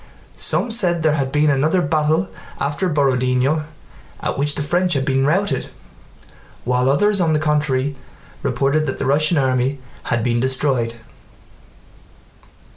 Some said there had been another battle after Borodinó at which the French had been routed, while others on the contrary reported that the Russian army had been destroyed.